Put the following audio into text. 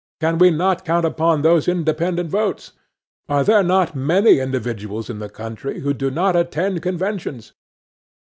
Can we not count upon some independent votes? Are there not many individuals in the country who do not attend conventions?